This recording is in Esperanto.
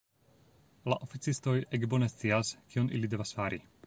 La oficistoj ege bone scias, kion ili devas fari.